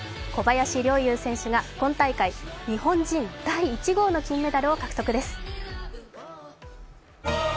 小林陵侑選手が今大会日本人第１号の麺メダルを獲得です